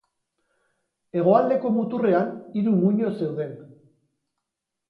Hegoaldeko muturrean, hiru muino zeuden.